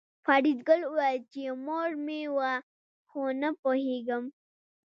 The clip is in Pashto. فریدګل وویل چې مور مې وه خو نه پوهېږم